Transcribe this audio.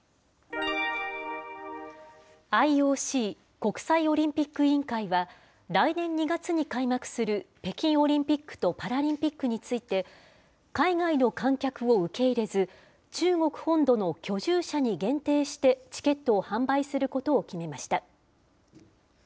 ＩＯＣ・国際オリンピック委員会は、来年２月に開幕する北京オリンピックとパラリンピックについて、海外の観客を受け入れず、中国本土の居住者に限定して、チケットを販売することを決めました。